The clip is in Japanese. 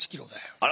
あら！